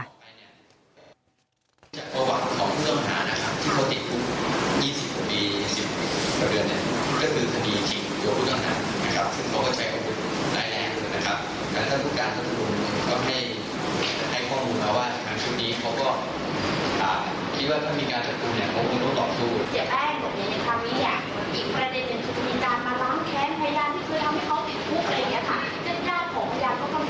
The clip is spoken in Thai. สิทธิ์ความสำคัญ